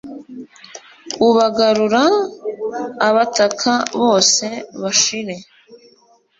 ubagarura, abataka bose bashire